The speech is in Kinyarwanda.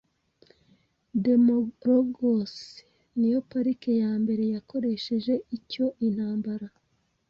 Demologos niyo parike yambere yakoresheje icyo Intambara